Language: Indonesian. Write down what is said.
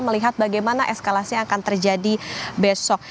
melihat bagaimana eskalasi yang akan terjadi besok